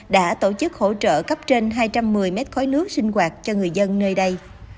đã tổ chức hỗ trợ cấp trên hai trăm một mươi mét khói nước sinh hoạt cho người dân nơi đây